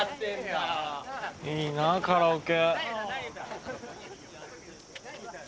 いいなあカラオケ。